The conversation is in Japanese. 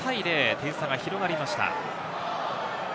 点差が広がりました。